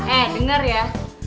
eh denger ya